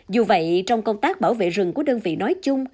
dù vậy trong công tác bảo vệ rừng của đơn vị nói chung